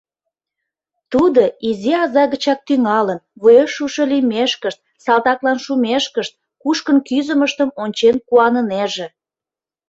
Тудо, изи аза гычак тӱҥалын, вуеш шушо лиймешкышт, салтаклан шумешкышт, кушкын кӱзымыштым ончен куанынеже.